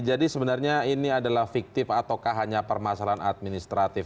jadi sebenarnya ini adalah fiktif ataukah hanya permasalahan administratif